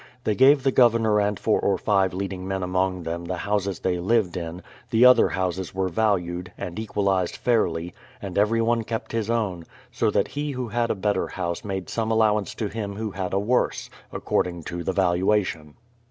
They gave the Governor and four or five leading men among them the houses they lived in; the other houses were valued, and equalised fairly, and everyone kept his own; so that he who had a better house made some allowance to him who had a worse, according to the valuation.